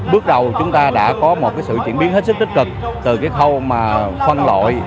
bước đầu chúng ta đã có một sự triển biến hết sức tích cực từ cái khâu phân loại